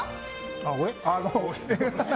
俺？